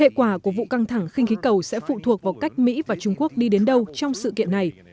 hệ quả của vụ căng thẳng khinh khí cầu sẽ phụ thuộc vào cách mỹ và trung quốc đi đến đâu trong sự kiện này